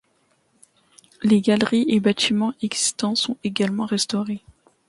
Les galeries et bâtiments existants sont également restaurés.